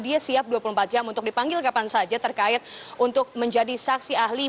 dia siap dua puluh empat jam untuk dipanggil kapan saja terkait untuk menjadi saksi ahli